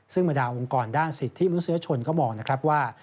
ซึ่งบรรดาองค์กรด้านสิทธิมนุษยชนก็มองนะครับว่า